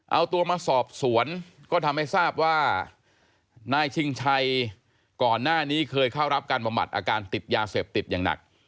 เอาตัวมาสอบสวนก็ทำให้ทราบว่านายชิงชัยก่อนหน้านี้เคยเข้ารับการบำบัดอาการติดยาเสพติดอย่างหนัก